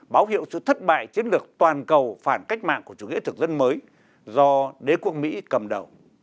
báo hiệu sự thất bại chiến lược toàn cầu phản cách mạng của chủ nghĩa thực dân mới do đế quốc mỹ cầm đầu